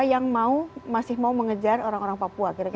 yang masih mau mengejar orang orang papua